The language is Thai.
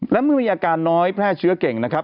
และเมื่อมีอาการน้อยแพร่เชื้อเก่งนะครับ